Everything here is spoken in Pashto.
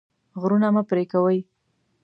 غرونه مه پرې کوئ.